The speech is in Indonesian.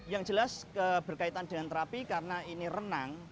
yang jelas berkaitan dengan terapi karena ini renang